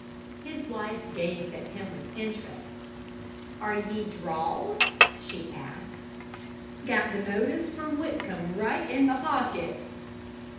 His wife gazed at him with interest. "Are ye drawed?" she asked. "Got the notice from Whitcomb right in my pocket.